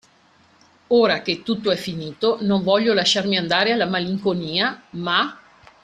Ora che tutto è finito non voglio lasciarmi andare alla malinconia ma.